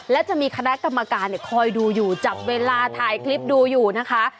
และจะมีคณะกรรมการคอยดูอยู่จับเวลาถ่ายคลิปดูอยู่นะคะ